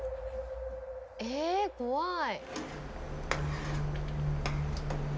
「え怖い」